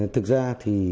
thực ra thì